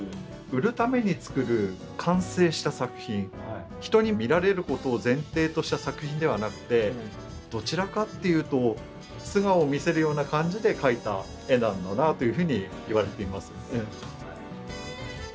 売るために作る完成した作品人に見られることを前提とした作品ではなくてどちらかっていうと素顔を見せるような感じで描いた絵なんだなというふうにいわれています。